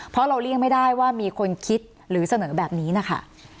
เพราะเราเลี่ยงไม่ได้ว่ามีคนคิดหรือเสนอแบบนี้นะคะ